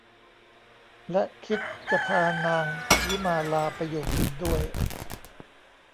และคิดจะพานางวิมาลาไปอยู่กินด้วย